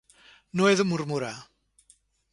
No he de murmurar.